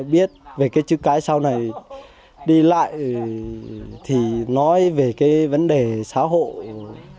biết về cái chữ cái sau này đi lại thì nói về cái vấn đề xã hội